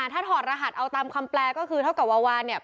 ถ้าถอดรหัสเอาตามคำแปลก็คือเท่ากับวาวานเนี่ย